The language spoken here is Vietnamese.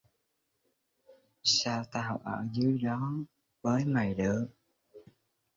Sao tao ở dưới đó với mày được